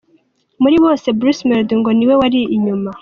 Muri bose Bruce Melody ngo ni we wari inyuma.